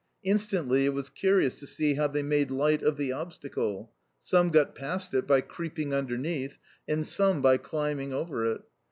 Instantly it was curious to see how they made light of the obstacle. Some got past it by creeping underneath, and some by climbing over it.